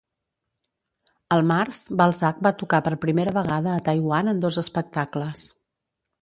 Al març, Balzac va tocar per primera vegada a Taiwan en dos espectacles.